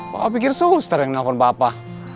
kok kamu pikir suster yang nelfon papa